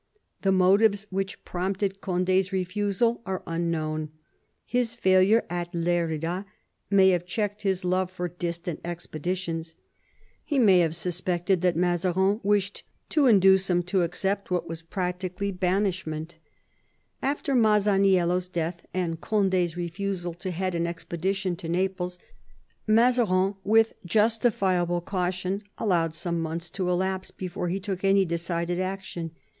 The motives which prompted Condi's refusal are unknown. His failure at Lerida may have checked his love for distant expeditions ; he may have suspected that Mazarin wished to induce him to accept what was practically banishment. II THE REBELLION IN NAPLES 29 After Masaniello's death and Condi's refusal to head an expedition to Naples, Mazarin, with justifiable caution, allowed some months to elapse before he took any decided action.